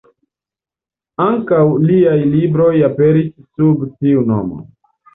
Ankaŭ liaj libroj aperis sub tiu nomo.